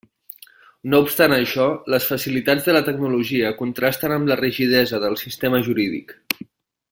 No obstant això, les facilitats de la tecnologia contrasten amb la rigidesa del sistema jurídic.